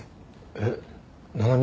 えっ七海